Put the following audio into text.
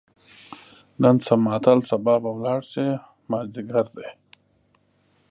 نن شه ماتل سبا به لاړ شې، مازدیګر ده